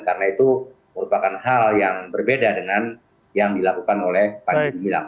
karena itu merupakan hal yang berbeda dengan yang dilakukan oleh panji dumilang